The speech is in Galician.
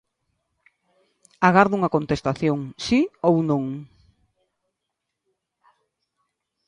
Agardo unha contestación: si ou non.